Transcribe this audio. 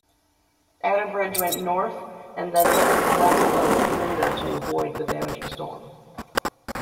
Outerbridge went north and then west of Bermuda to avoid the damaging storm.